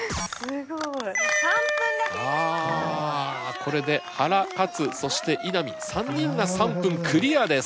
これで原勝そして稲見３人が３分クリアです。